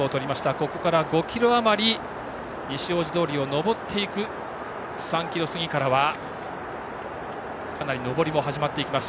ここから５ｋｍあまり西大路通を上っていく３ｋｍ過ぎからはかなり上りも始まっていきます。